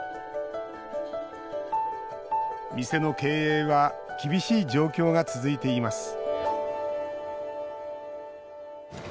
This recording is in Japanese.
店の経営は厳しい状況が続いています